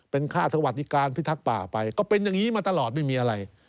เป็นค่าสวัสดิการพิทักษ์ป่าไปก็เป็นอย่างนี้มาตลอดไม่มีอะไร